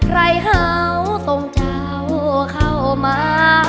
ใครเห่าตรงเจ้าเข้ามา